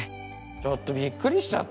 ちょっとびっくりしちゃった。